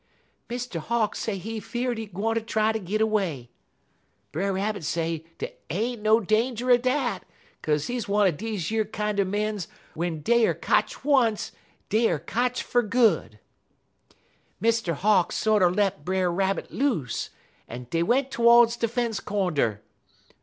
"Mr. Hawk say he fear'd he gwineter try ter git 'way. Brer Rabbit say dey ain't no danger er dat, 'kaze he one er deze yer kinder mens w'en dey er kotch once deyer kotch fer good. "Mr. Hawk sorter let Brer Rabbit loose, en dey went todes de fence cornder.